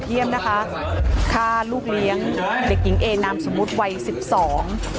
เยี่ยมนะคะฆ่าลูกเลี้ยงเด็กหญิงเอนามสมมุติวัยสิบสอง